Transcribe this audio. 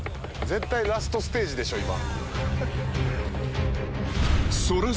絶対ラストステージでしょ今。